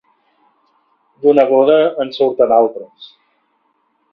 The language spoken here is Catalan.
D'una boda en surten d'altres.